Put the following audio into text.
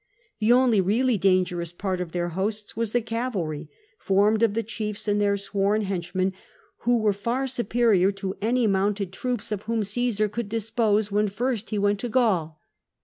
The only really dangerous part of their hosts was the cavalry, formed of the chiefs and their sworn 314 CJESAR henchmen, who were far superior to any mounted troops of whom Caesar could dispose when first he went to Gaiil.